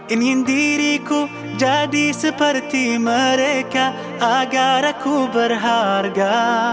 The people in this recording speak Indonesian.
ingin diriku jadi seperti mereka agar aku berharga